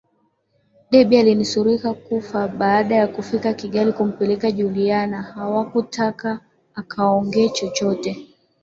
Debby alinusurika kufa baada ya kufika Kigali kumpeleka Juliana hawakutaka akaongee chochote